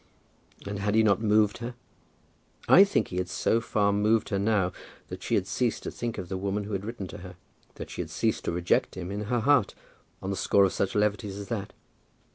And had he not moved her? I think he had so far moved her now, that she had ceased to think of the woman who had written to her, that she had ceased to reject him in her heart on the score of such levities as that!